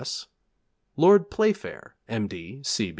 S. Lord Playfair, M.